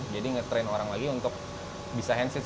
jadi nge train orang lagi untuk bisa hand stitch